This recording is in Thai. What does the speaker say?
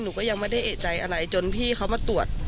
หนูก็ยังไม่ได้เอกใจอะไรจนพี่เขามาตรวจ